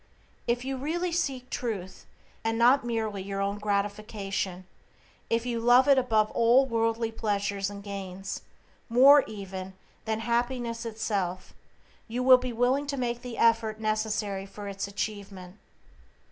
If you really seek Truth, and not merely your own gratification; if you love it above all worldly pleasures and gains; more, even, than happiness itself, you will be willing to make the effort necessary for its achievement.